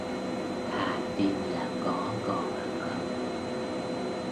thà tin là có còn hơn không